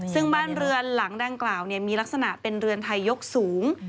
ซึ่งบ้านเรือนหลังดังกล่าวมีลักษณะเป็นเรือนไทยยกสูง